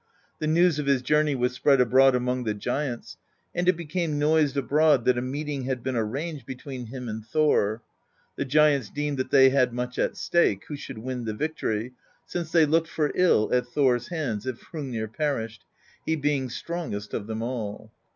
The news of his journey was spread abroad among the giants, and it became noised abroad that a meeting had been arranged between him and Thor; the giants deemed that they had much at stake, who should win the victory, since they looked for ill at Thor's hands if Hrungnir perished, he being strongest of them all.